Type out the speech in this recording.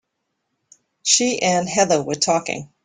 She and Heather were talking.